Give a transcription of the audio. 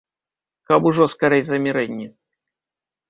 Каб ужо скарэй замірэнне!